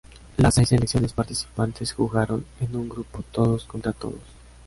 Las seis selecciones participantes jugaron en un grupo todos contra todos.